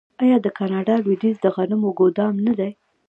آیا د کاناډا لویدیځ د غنمو ګدام نه دی؟